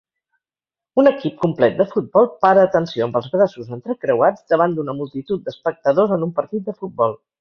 Un equip complet de futbol para atenció amb els braços entrecreuats davant d'una multitud d'espectadors en un partit de futbol